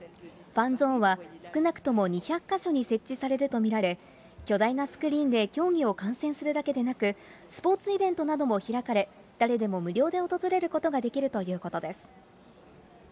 ファンゾーンは、少なくとも２００か所に設置されると見られ、巨大なスクリーンで競技を観戦するだけでなく、スポーツイベントなども開かれ、誰でも無料で訪れることができるということです。